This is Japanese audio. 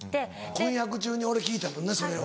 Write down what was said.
婚約中に俺聞いたもんなそれを。